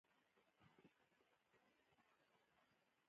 ټولنه د يوه لوی بستر په څېر يوازي د سياستونو د تطبيق ډګر ندی